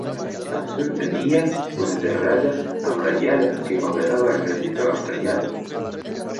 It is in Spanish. Al sur tenía una terraza amurallada que completaba el recinto amurallado.